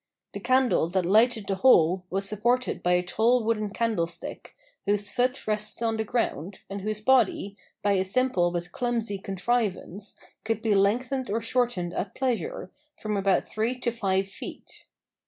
The candle that lighted the whole was supported by a tall wooden candlestick, whose foot rested on the ground, and whose body, by a simple but clumsy contrivance, could be lengthened or shortened at pleasure, from about three to five feet.